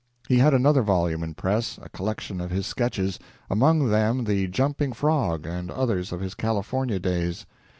He had another volume in press a collection of his sketches among them the "Jumping Frog," and others of his California days.